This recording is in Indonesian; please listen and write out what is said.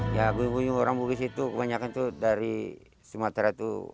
ya gue punya orang bugis itu kebanyakan itu dari sumatera itu